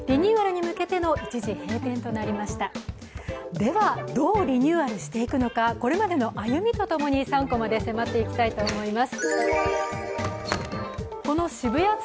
では、どうリニューアルしていくのかこれまでの歩みとともに「３コマ」で迫っていきたいと思います。